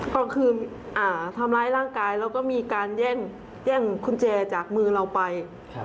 ก็คือทำร้ายร่างกายแล้วก็มีการแย่งกุญแจจากมือเราไป